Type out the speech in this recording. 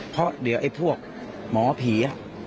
เพราะเดี๋ยวไอ้พวกหมอผี